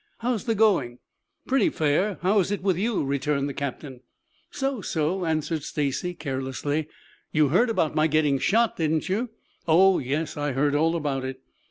"How's the going?" "Pretty fair. How is it with you?" returned the captain. "So, so," answered Stacy carelessly. "You heard about my getting shot, didn't you?" "Oh, yes, I heard all about it."